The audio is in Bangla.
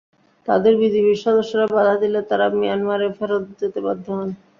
তাঁদের বিজিবির সদস্যরা বাধা দিলে তাঁরা মিয়ানমারে ফেরত যেতে বাধ্য হন।